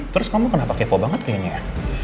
terus kamu kenapa kepo banget kayaknya